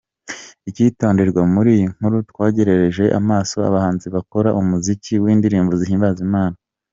Icyitonderwa: Muri iyi nkuru twarengeje amaso abahanzi bakora umuziki w’indirimbo zihimbaza Imana.